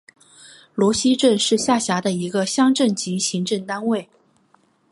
罗溪镇是下辖的一个乡镇级行政单位。